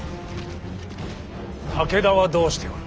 武田はどうしておる。